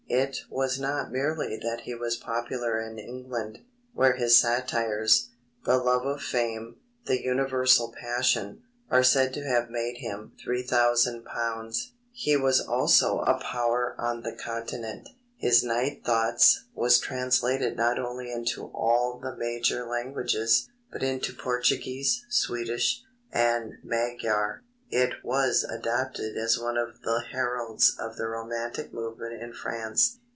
It was not merely that he was popular in England, where his satires, The Love of Fame, the Universal Passion, are said to have made him £3,000. He was also a power on the Continent. His Night Thoughts was translated not only into all the major languages, but into Portuguese, Swedish and Magyar. It was adopted as one of the heralds of the romantic movement in France.